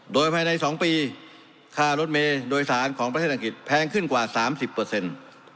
โดยภายใน๒ปีค่ารถเมย์โดยสารของประเทศอังกฤษแพงขึ้นกว่าสามสิบเปอร์เซ็นต์